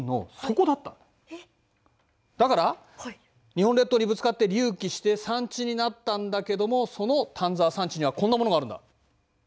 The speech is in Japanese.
だから日本列島にぶつかって隆起して山地になったんだけどもその丹沢山地にはこんなものがあるんだ。